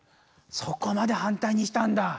そこまで反対にしたんだ。